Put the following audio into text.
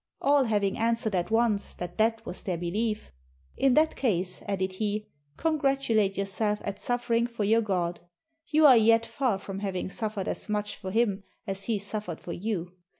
All having answered at once that that was their belief: "In that case," added he, "congratulate your selves at suffering for your God; you are yet far from having suffered as much for Him as He suffered for you.